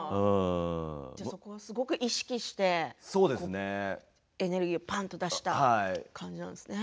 それはすごく意識してエネルギーをぱんと出した感じなんですね。